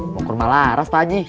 pokoknya malah ras pakji